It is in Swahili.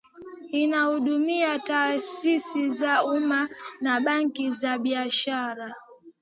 inahudumia taasisi za umma na benki za biashara